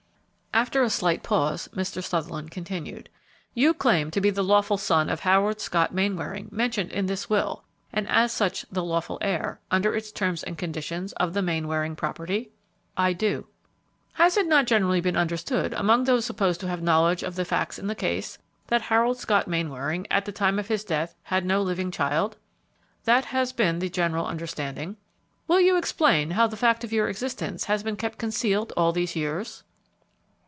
After a slight pause, Mr. Sutherland continued. "You claim to be the lawful son of the Harold Scott Mainwaring mentioned in this will, and as such the lawful heir, under its terms and conditions, of the Mainwaring property?" "I do." "Has it not been generally understood among those supposed to have knowledge of the facts in the case that Harold Scott Mainwaring, at the time of his death, had no living child?" "That has been the general understanding." "Will you explain how the fact of your existence has been kept concealed all these years?"